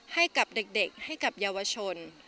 ให้กับเด็กให้กับเยาวชน